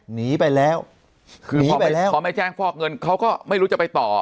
หนีไปแล้วคือพอไปแล้วพอไม่แจ้งฟอกเงินเขาก็ไม่รู้จะไปต่อ